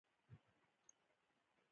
چې شهیدان شو.